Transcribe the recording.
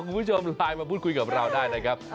คุณผู้ชมไลน์มาพูดคุยกับเราได้นะครับ